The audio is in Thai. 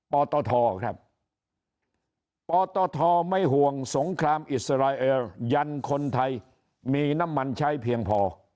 ปตทครับปตทไม่ห่วงสงครามอิสราเอลยันคนไทยมีน้ำมันใช้เพียงพอ